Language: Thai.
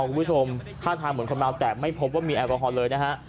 คุณผู้ชมท่าทางเหมือนคนเมาแต่ไม่พบว่ามีแอลกอฮอลเลยนะฮะ